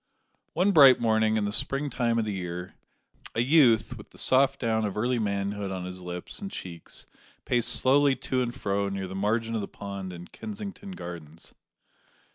One bright morning in the spring time of the year, a youth with the soft down of early manhood on his lips and cheeks, paced slowly to and fro near the margin of the pond in Kensington Gardens.